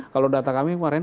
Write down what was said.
kalau data kami kemarin